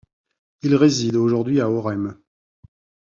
Il réside aujourd'hui à Orem.